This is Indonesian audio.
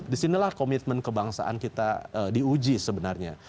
di sini lah komitmen kebangsaan kita diuji sebenarnya